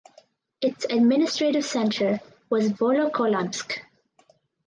Its administrative centre was Volokolamsk.